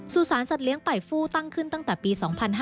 สุสานสัตว์เลี้ยงป่ายฟู่ตั้งขึ้นตั้งแต่ปี๒๕๔๘